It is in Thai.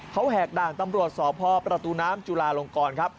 เขาแหกด่านตำรวจสพประตูน้ำจุลาลงกรครับ